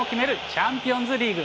チャンピオンズリーグ。